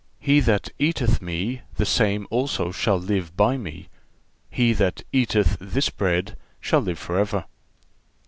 He that eateth Me the same also shall live by Me. He that eateth this bread shall live forever."